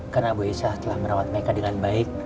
karena ibu aisyah telah merawat meka dengan baik